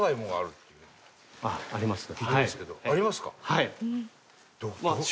はい。